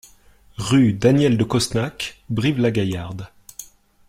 Rue Daniel de Cosnac, Brive-la-Gaillarde